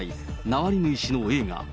ナワリヌイ氏の映画。